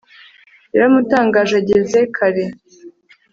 yaramutangaje ageze kare